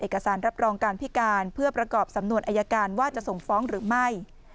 เอกสารรับรองการพิการเพื่อประกอบสำนวนอายการว่าจะส่งฟ้องหรือไม่